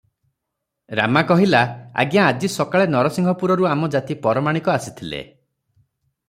ରାମା କହିଲା, "ଆଜ୍ଞା ଆଜି ସକାଳେ ନରସିଂହପୁରରୁ ଆମ ଜାତି ପରମାଣିକ ଆସିଥିଲେ ।